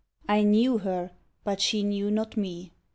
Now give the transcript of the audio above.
I knew her, but she knew not me.